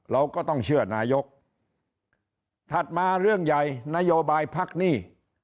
เราก็ต้องเชื่อนายกถัดมาเรื่องใหญ่นโยบายพักหนี้